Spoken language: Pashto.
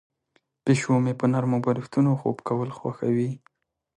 پیشو مې په نرمو بالښتونو خوب کول خوښوي.